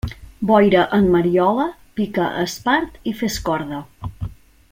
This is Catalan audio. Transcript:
Boira en Mariola, pica espart i fes corda.